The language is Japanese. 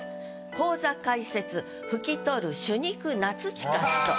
「口座開設拭き取る朱肉夏近し」と。